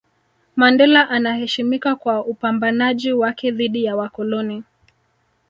Mandela anaheshimika kwa upambanaji wake dhidi ya wakoloni